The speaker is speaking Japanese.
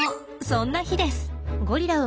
そんな日です。